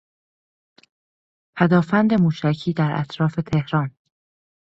پدآفند موشکی در اطراف تهران